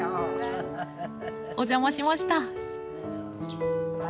お邪魔しました。